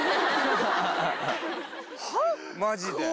マジで。